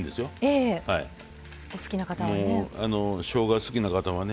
お好きな方はね。